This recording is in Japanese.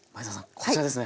こちらですね